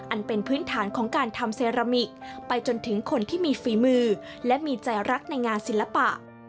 อันเป็นพื้นฐานของการทำเซรามิกไปจนถึงคนที่มีฝีมือและมีใจรักในงานศิลปะ